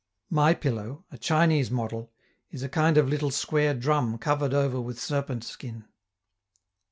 My pillow, a Chinese model, is a kind of little square drum covered over with serpent skin.